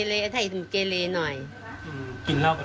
แต่ว่าผู้ตายนี้อายุ๖๑แล้วนะคะ